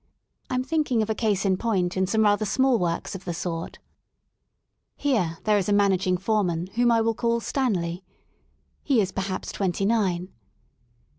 I am thinking of a case in point in some rather small works of the sort Here there is a managing foreman whom I will call Stanley. He is perhaps twenty nine.